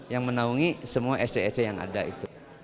yang menaungi semua sc sc yang ada itu